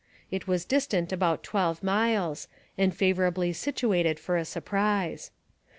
It was distant about twelve miles and favourably situated for a surprise.